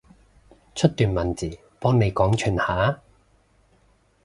出段文字，幫你廣傳下？